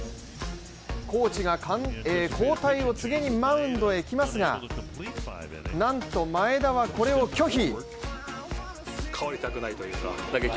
コーチが交代を告げにマウンドへ来ますがなんと前田はこれを拒否。